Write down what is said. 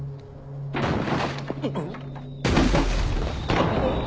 あっ。